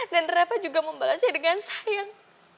dan reva juga membalasnya dengan sayang